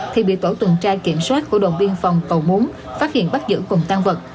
thì bị tổ tuần tra kiểm soát của đội biên phòng cầu múng phát hiện bắt giữ cùng tăng vật